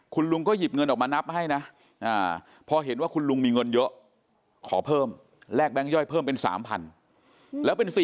คุณลุงก็หยิบเงินออกมานับให้นะพอเห็นว่าคุณลุงมีเงินเยอะขอเพิ่มแลกแบงค์ย่อยเพิ่มเป็น๓๐๐๐แล้วเป็น๔๐